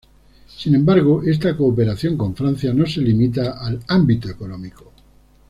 Sin embargo, esta cooperación con Francia no se limita al ámbito económico.